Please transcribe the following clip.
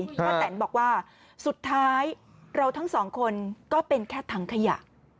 แตนบอกว่าสุดท้ายเราทั้งสองคนก็เป็นแค่ถังขยะ